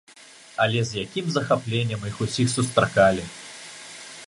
Але з якім захапленнем іх усіх сустракалі!